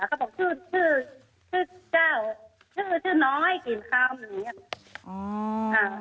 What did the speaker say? เขาบอกชื่อเจ้าชื่อชื่อน้อยกินคำ